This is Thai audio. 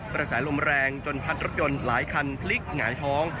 กระแสลมแรงจนพัดรถยนต์หลายคันพลิกหงายท้อง